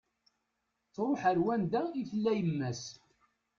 Truḥ ar wanda i tella yemma-s